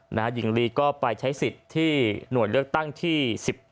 หญิงลีก็ไปใช้สิทธิ์ที่หน่วยเลือกตั้งที่๑๗